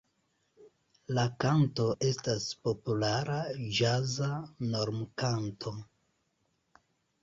La kanto estas populara ĵaza normkanto.